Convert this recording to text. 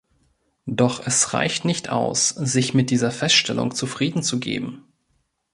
Doch es reicht nicht aus, sich mit dieser Feststellung zufriedenzugeben.